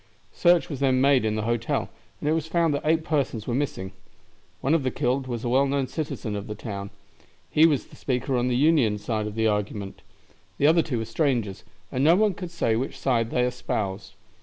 Search was then made in the hotel, and it was found that eight persons were missing. One of the killed was a well known citizen of the town; he was the speaker on the Union side of the argument. The other two were strangers, and no one could say which side they espoused.